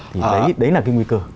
thì đấy là cái nguy cơ